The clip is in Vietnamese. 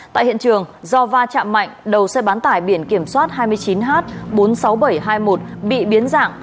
tại hiện trường do va chạm mạnh đầu xe bán tải biển kiểm soát hai mươi chín h bốn mươi sáu nghìn bảy trăm hai mươi một bị biến dạng